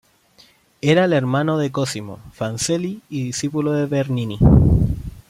Era el hermano de Cosimo Fancelli y discípulo de Bernini.